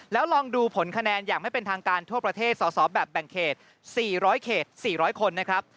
แล้วลองดูผลคะแนนอย่างไม่เป็นทางการทั่วประเทศสอสอแบบแบ่งเขต๔๐๐เขต๔๐๐คนนะครับ